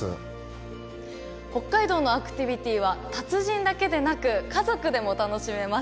北海道のアクティビティーは達人だけでなく家族でも楽しめます。